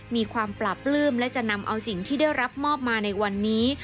มีความปราบปลื้มและจะนำเอาสิ่งที่ได้รับมอบมาในวันนี้